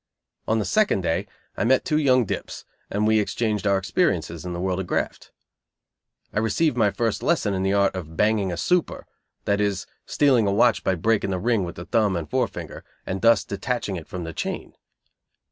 On the second day I met two young "dips" and we exchanged our experiences in the world of graft. I received my first lesson in the art of "banging a super," that is, stealing a watch by breaking the ring with the thumb and forefinger, and thus detaching it from the chain.